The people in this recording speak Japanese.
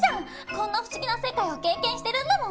こんな不思議な世界を経験してるんだもん。